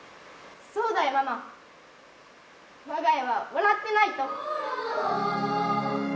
そうだよ、ママ、我が家は笑ってないと。